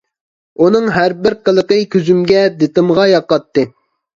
ئۇنىڭ ھەربىر قىلىقى كۆزۈمگە، دىتىمغا ياقاتتى.